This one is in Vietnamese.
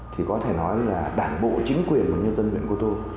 thì có thể nói là đảng bộ chính quyền của người dân huyện cô tô